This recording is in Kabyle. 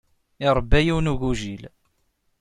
Iṛebba yiwen n ugujil.